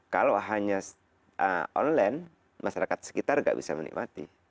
kalau hanya online masyarakat sekitar nggak bisa menikmati